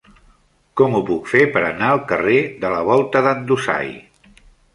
Com ho puc fer per anar al carrer de la Volta d'en Dusai?